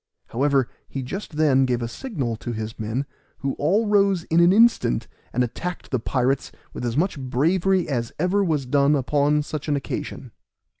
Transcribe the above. However, he just then gave a signal to his men, who all rose in an instant, and attacked the pirates with as much bravery as ever was done upon such an occasion.